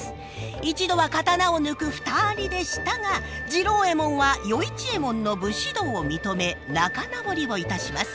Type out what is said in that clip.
一度は刀を抜く２人でしたが次郎右衛門は与一右衛門の武士道を認め仲直りをいたします。